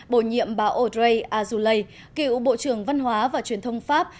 bổ nhiệm bà audrey azoulay cựu bộ trưởng văn hóa và truyền thông pháp